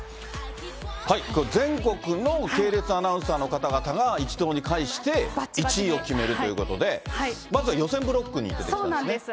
これ、全国の系列アナウンサーの方々が一堂に会して、１位を決めるということで、まずは予選ブロックに出てきたんですね。